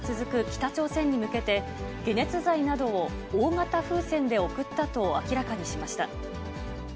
北朝鮮に向けて、解熱剤などを大型風船で送ったと明らかにしました。